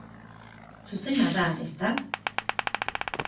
Zuzena da, ezta?